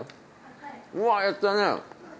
うわやったね。